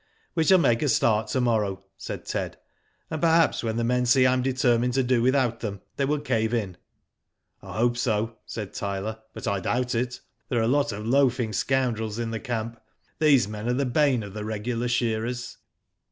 *' We shall make a start to morrow," said Ted, ''and perhaps when the men see I am determined to do without them, they will cave in." " I hope so," said Tyler, *' but I doubt it. There are a lot of loafing scoundrels in the camp. These men are the bane of the regular shearers."